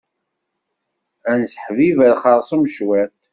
Ad nesseḥbiber xerṣum cwit.